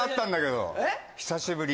久しぶり